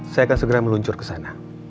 saya akan segera meluncur ke sana